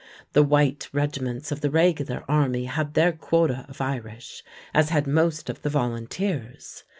The white regiments of the regular army had their quota of Irish, as had most of the volunteers.